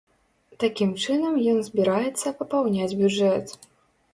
Такім чынам ён збіраецца папаўняць бюджэт.